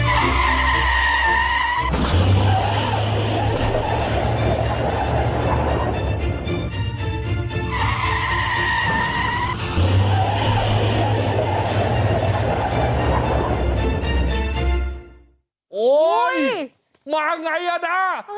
โอ้โหมาไงอ่ะนะ